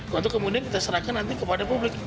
lalu kemudian kita serahkan nanti kepada publik